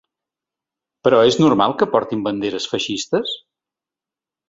Però és normal que portin banderes feixistes?